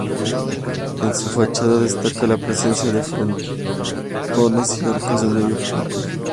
En su fachada destaca la presencia de frontones y arcos de medio punto.